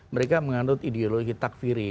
mereka mengandung ideologi takfiri